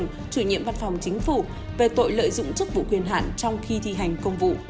nghiệm văn phòng chính phủ về tội lợi dụng chức vụ quyền hạn trong khi thi hành công vụ